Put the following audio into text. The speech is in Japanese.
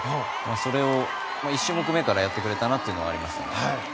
それを１種目めからやってくれたなと思います。